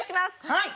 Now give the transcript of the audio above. はい。